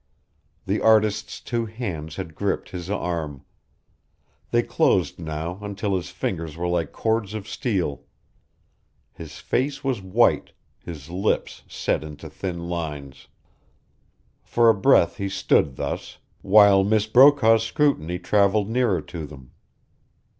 The artist's two hands had gripped his arm. They closed now until his fingers were like cords of steel. His face was white, his lips set into thin lines. For a breath he stood thus, while Miss Brokaw's scrutiny traveled nearer to them.